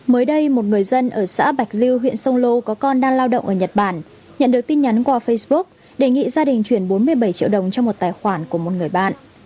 mới đây một người dân ở xã bạch lưu huyện sông lô có con đang lao động ở nhật bản nhận được tin nhắn qua facebook đề nghị gia đình chuyển bốn mươi bảy triệu đồng cho một tài khoản của một người bạn